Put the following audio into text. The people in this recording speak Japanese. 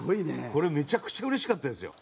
これめちゃくちゃうれしかったですよ。